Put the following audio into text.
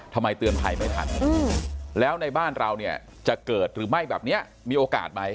เตือนภัยไม่ทันแล้วในบ้านเราเนี่ยจะเกิดหรือไม่แบบนี้มีโอกาสไหม